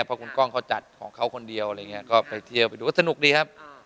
เพราะคุณก้องเขาจัดของเขาคนเดียวไปเที่ยวดูก็สนุกดีครับ